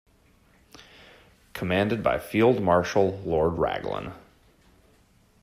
Commanded by Field Marshal Lord Raglan.